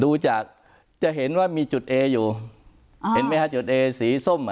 ดูจากจะเห็นว่ามีจุดเออยู่เห็นไหมฮะจุดเอสีส้มอ่ะ